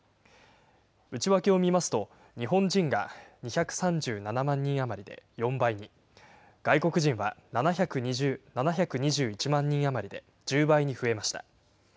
内訳を見ますと、日本人が２３７万人余りで４倍に、外国人は７２１万人余りで１０倍に増えました。